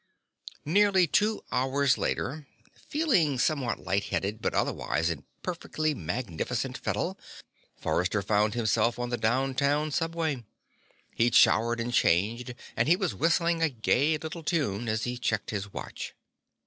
Nearly two hours later, feeling somewhat light headed but otherwise in perfectly magnificent fettle, Forrester found himself on the downtown subway. He'd showered and changed and he was whistling a gay little tune as he checked his watch.